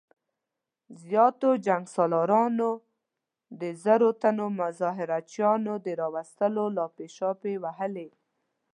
زياتو جنګ سالارانو د زرو تنو مظاهره چيانو د راوستلو لاپې شاپې ووهلې.